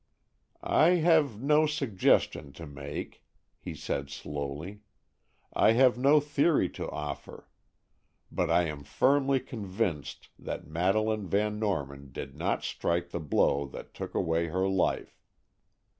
"I have no suggestion to make," he said slowly. "I have no theory to offer, but I am firmly convinced that Madeleine Van Norman did not strike the blow that took away her life.